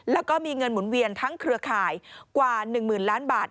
แล้วก็มีเงินหมุนเวียนทั้งเครือข่ายกว่า๑๐๐๐ล้านบาท